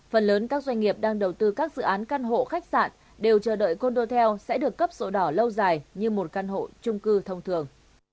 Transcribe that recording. với một con số lợi nhận